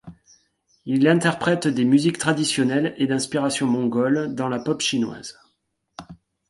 Il interprète des musiques traditionnelle et d'inspiration mongole, dans la pop chinoise.